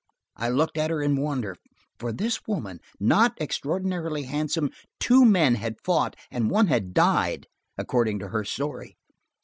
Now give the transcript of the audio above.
I looked at her in wonder. For this woman, not extraordinarily handsome, two men had fought and one had died–according to her story.